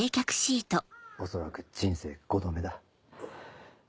恐らく人生５度目だ。